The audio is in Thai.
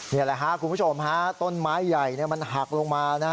นี่แหละคุณผู้ชมต้นไม้ใหญ่มันหักลงมา